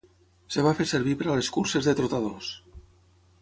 Es va fer servir per a les curses de trotadors.